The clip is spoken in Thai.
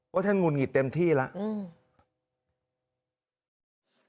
ว่าแทนงุ่นหยิดเต็มที่ละอืม